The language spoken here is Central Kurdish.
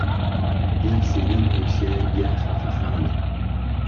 یا سینهم ئهیشێ، یا خهفهخانه